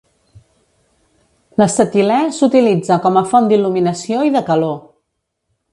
L'acetilè s'utilitza com a font d'il·luminació i de calor.